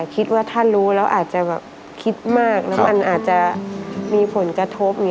คิดว่าถ้ารู้แล้วอาจจะแบบคิดมากแล้วมันอาจจะมีผลกระทบ